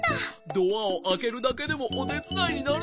ドアをあけるだけでもおてつだいになるんだね。